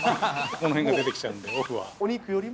この辺が出てきちゃうんで、お肉よりも？